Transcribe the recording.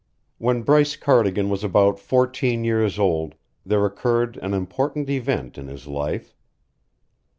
When Bryce Cardigan was about fourteen years old there occurred an important event in his life.